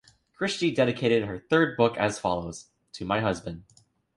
Christie dedicated her third book as follows:To My Husband.